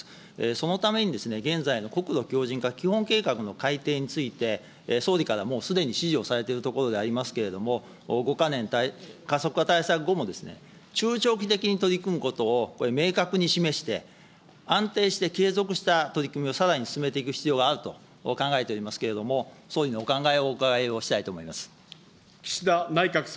そのために、現在の国土強じん化基本計画の改定について、総理からもうすでに指示をされているところでありますけれども、５か年加速化対策後も、中長期的に取り組むことをこれ、明確に示して、安定して継続した取り組みをさらに進めていく必要があると考えておりますけれども、総理のお考えをお伺いをしたいと思います。